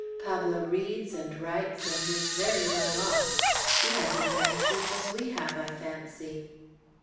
Pablo reads and writes, and is very well off; he has as many sheep as we have, I fancy!"